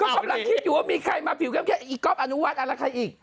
ก็กำลังคิดอยู่ว่ามีใครมาผิวแค่ไอ้ก๊อบอนุวัตรอันละใครอีก